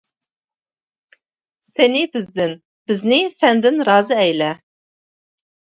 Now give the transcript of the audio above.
سېنى بىزدىن، بىزنى سەندىن رازى ئەيلە.